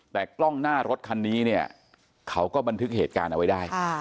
แต่กล้องหน้ารถคันนี้เนี่ยเขาก็บันทึกเหตุการณ์เอาไว้ได้